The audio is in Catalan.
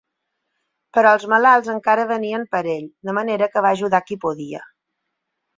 Però els malalts encara venien per ell, de manera que va ajudar qui podia.